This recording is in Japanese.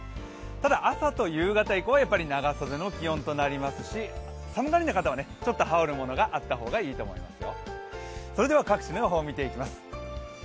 ただ、朝と夕方以降は長袖の気温となりますし寒がりな方はちょっと羽織るものがあった方がいいかもしれません。